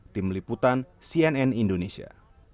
tim liputan cnn indonesia